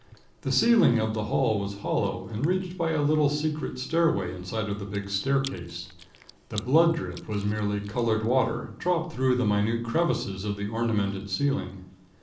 The ceiling of the hall was hollow, and reached by a little secret stairway inside of the big staircase. The 'blood drip' was merely colored water, dropped through the minute crevices of the ornamented ceiling.